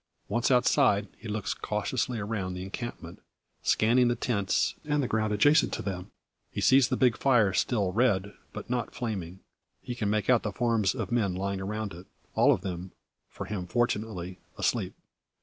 Once outside, he looks cautiously around the encampment, scanning the tents and the ground adjacent to them. He sees the big fire still red, but not flaming. He can make out the forms of men lying around it all of them, for him fortunately, asleep.